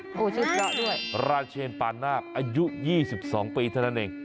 ชื่อพระด้วยราเชนปานาคอายุ๒๒ปีเท่านั้นเอง